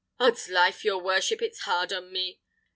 'Odslife! your worship is hard on me.